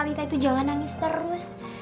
wanita itu jangan nangis terus